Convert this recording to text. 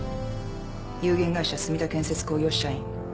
有限会社墨田建設工業社員。